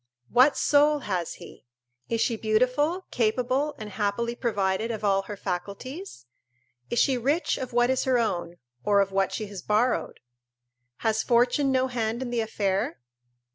What soul has he? Is she beautiful, capable, and happily provided of all her faculties? Is she rich of what is her own, or of what she has borrowed? Has fortune no hand in the affair?